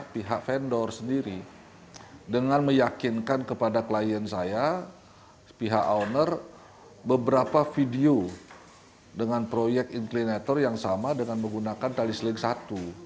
pihak vendor sendiri dengan meyakinkan kepada klien saya pihak owner beberapa video dengan proyek inklinator yang sama dengan menggunakan tali seling satu